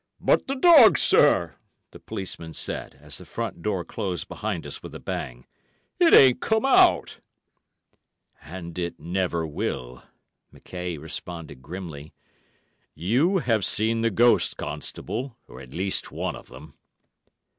"But the dog, sir," the policeman said, as the front door closed behind us with a bang; "it ain't come out!" "And it never will," McKaye responded grimly. "You have seen the ghost, constable, or at least one of them."